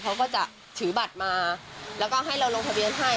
เขาก็จะถือบัตรมาแล้วก็ให้เราลงทะเบียนให้